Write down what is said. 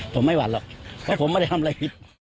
ผมไม่หวั่นหรอกเพราะผมไม่ได้ทำอะไรผิด